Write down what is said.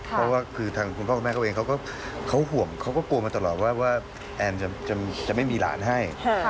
เพราะว่าคือคุณพ่อคุณแม่เขาเองเขาก็กลัวมาตลอดว่าแอมจะไม่มีหลานให้